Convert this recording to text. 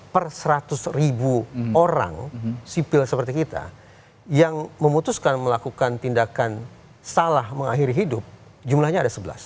per seratus ribu orang sipil seperti kita yang memutuskan melakukan tindakan salah mengakhiri hidup jumlahnya ada sebelas